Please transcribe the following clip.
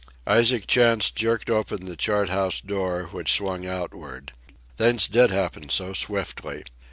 Isaac Chantz jerked open the chart house door, which swung outward. Things did happen so swiftly!